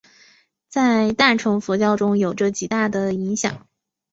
在大乘佛教中有着极大影响。